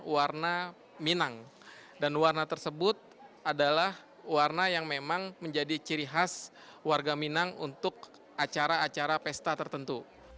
warna minang dan warna tersebut adalah warna yang memang menjadi ciri khas warga minang untuk acara acara pesta tertentu